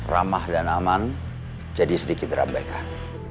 ramah dan aman jadi sedikit terabaikan